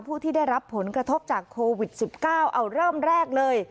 ผู้ที่ได้รับผลกระทบจากโควิด๑๙เอาเริ่มแรกเลย